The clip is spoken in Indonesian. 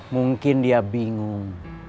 mungkin dia bingung